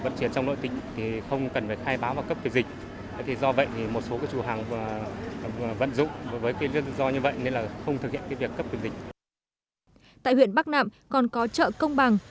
tại huyện bắc nạm còn có chợ công bằng